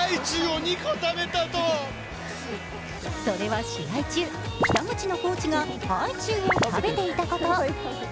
それは試合中、北口のコーチがハイチュウを食べていたこと。